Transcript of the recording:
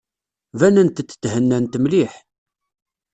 Banent-d thennant mliḥ.